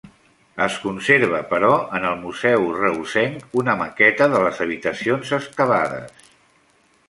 Es conserva però en el Museu reusenc una maqueta de les habitacions excavades.